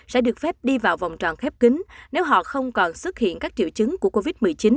sẽ được phép đi vào vòng tròn khép kính nếu họ không còn xuất hiện các triệu chứng của covid một mươi chín